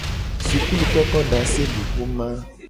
Sukulukokodaseduxoma.